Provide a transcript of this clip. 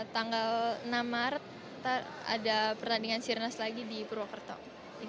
tanggal enam maret kita ada pertandingan sirnas lagi di purwokerto